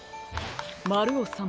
まるおさん。